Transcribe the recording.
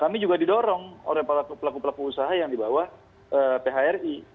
kami juga didorong oleh pelaku pelaku usaha yang dibawa phri